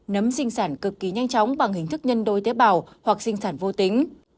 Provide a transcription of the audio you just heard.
nấm sinh sản cực kỳ nhanh chóng bằng hình thức nhân đôi tế bào hoặc sinh sản vô tính